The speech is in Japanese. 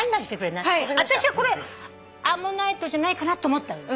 あたしはこれアンモナイトじゃないかなと思ったの。